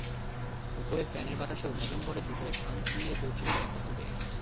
ওপরে ফ্যানের বাতাসেও নভেম্বরের দুপুরে ঘাম চুইয়ে পড়ছিল সবার কপাল বেয়ে।